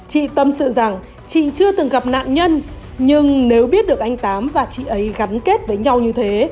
chị tâm sự rằng chị chưa từng gặp nạn nhân nhưng nếu biết được anh tám và chị ấy gắn kết với nhau như thế